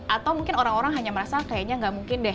atau mungkin orang orang hanya merasa kayaknya nggak mungkin deh